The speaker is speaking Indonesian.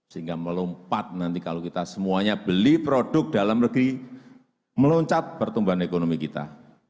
sehingga melompat nanti kalau kita semuanya beli produk dalam negeri meloncat pertumbuhan ekonomi kita